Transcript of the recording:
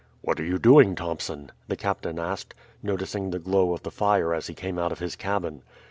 "What are you doing, Thompson?" the captain asked, noticing the glow of the fire as he came out of his cabin.